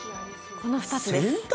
この２つです。